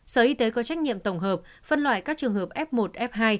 sở y tế có trách nhiệm tổng hợp phân loại các trường hợp f một f hai